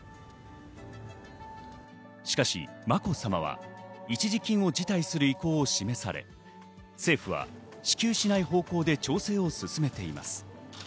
しかし、まこさまは一時金を辞退する意向を示され政府は支給しない方向で調整を進めています。